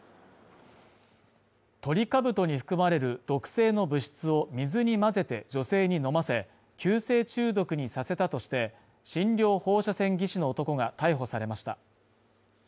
トリカブトに含まれる毒性の物質を水に混ぜて女性に飲ませ急性中毒にさせたとして診療放射線技師の男が逮捕されました